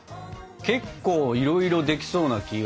結構いろいろできそうな気が。